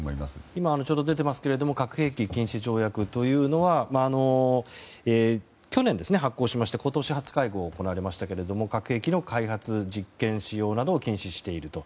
今出ていますが核兵器禁止条約というのは去年、発効しまして今年に初会合が行われまして核兵器の開発、実験、使用などを禁止していると。